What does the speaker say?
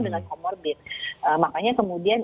dengan comorbid makanya kemudian